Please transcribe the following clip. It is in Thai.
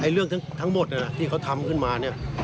เรื่องทั้งหมดที่เขาทำขึ้นมาเนี่ย